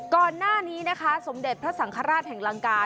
ก่อนหน้านี้นะคะสมเด็จพระสังฆราชแห่งลังกา